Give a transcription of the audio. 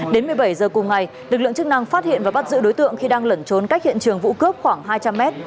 đến một mươi bảy h cùng ngày lực lượng chức năng phát hiện và bắt giữ đối tượng khi đang lẩn trốn cách hiện trường vụ cướp khoảng hai trăm linh m